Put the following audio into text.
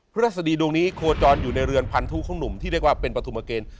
ฤษฎีดวงนี้โคจรอยู่ในเรือนพันธุของหนุ่มที่เรียกว่าเป็นปฐุมเกณฑ์